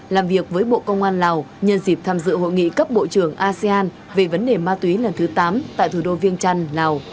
làm việc với bộ công an lào nhân dịp tham dự hội nghị cấp bộ trưởng asean về vấn đề ma túy lần thứ tám tại thủ đô viêng trăn lào